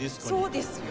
そうですよ。